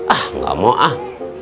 ah nggak mau ah